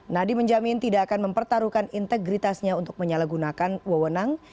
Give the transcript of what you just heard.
nadie menjamin tidak akan mempertaruhkan integritasnya untuk menyalahgunakan wewenang